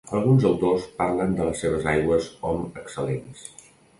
Alguns autors parlen de les seves aigües om excel·lents.